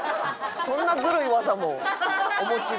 そんなずるい技もお持ちで。